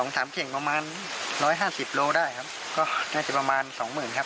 ๒๓เท่งประมาณ๑๕๐โลได้ครับก็น่าจะประมาณ๒๐๐๐๐ครับ